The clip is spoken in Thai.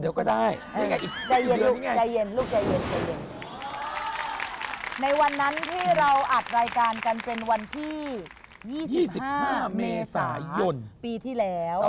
ในวันนั้นที่เราอัดรายการกันเป็นวันที่๒๕เมษายนปีที่แล้ว